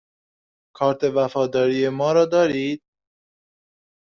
کارت وفاداری ما را دارید؟